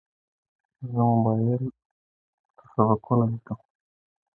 زه موبایل ته سبقونه لیکم.